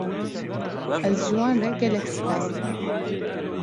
Ez ji wan re gelek spas dikim.